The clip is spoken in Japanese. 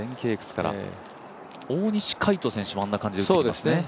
大西魁斗選手もあんな感じで打ってきますね。